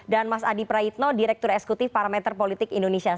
dan mas adi praitno direktur esekutif parameter politik indonesia